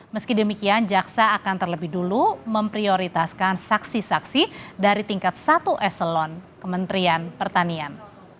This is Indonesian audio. meski demikian jaksa akan terlebih dulu memprioritaskan saksi saksi dari tingkat satu eselon kementerian pertanian